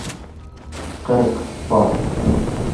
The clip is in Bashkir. Ҡырҡ пар